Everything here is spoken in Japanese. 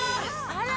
あら！